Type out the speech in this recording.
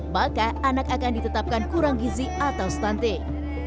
maka anak akan ditetapkan kurang gizi atau stunting